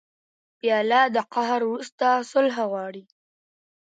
پیاله د قهر وروسته صلح غواړي.